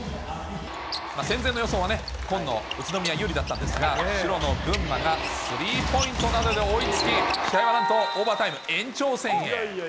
戦前の予想は紺の宇都宮、有利だったんですが、白の群馬がスリーポイントなどで追いつき、試合はなんとオーバータイム、延長戦へ。